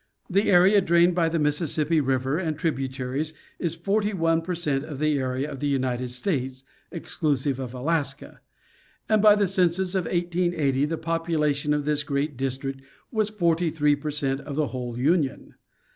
; The area drained by the Mississippi river and tributaries, is forty one per cent. of the area of the United States, exclusive of Alaska ; and by the census of 1880 the population of this great district was forty three per cent. of the whole Union.